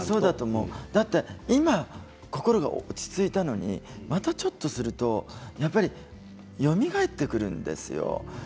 今、心が落ち着いたのにちょっとするとやっぱりよみがえってくるんですよ。